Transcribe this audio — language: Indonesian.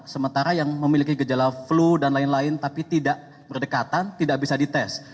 sementara yang memiliki gejala flu dan lain lain tapi tidak berdekatan tidak bisa dites